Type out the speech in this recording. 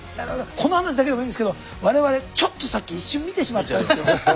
この話だけでもいいんですけど我々ちょっとさっき一瞬見てしまったんですよ。